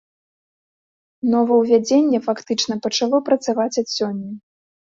Новаўвядзенне фактычна пачало працаваць ад сёння.